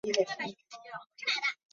沃内人口变化图示